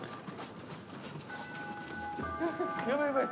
やばいやばい。